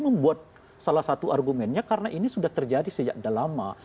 membuat salah satu argumennya karena ini sudah terjadi sejak lama